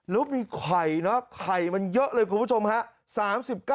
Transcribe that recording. แล้วมีไข่เนอะไข่มันเยอะเลยคุณผู้ชมฮะ